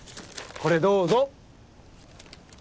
これどうぞ。